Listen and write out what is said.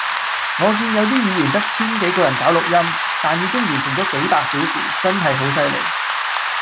我見有啲語言得千幾個人搞錄音，但已經完成咗幾百小時，真係好犀利